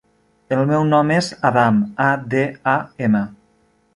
El meu nom és Adam: a, de, a, ema.